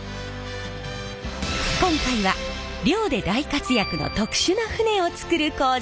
今回は漁で大活躍の特殊な船を造る工場。